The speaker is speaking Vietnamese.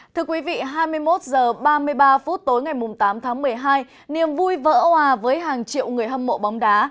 thưa quý vị hai mươi một h ba mươi ba phút tối ngày tám tháng một mươi hai niềm vui vỡ hòa với hàng triệu người hâm mộ bóng đá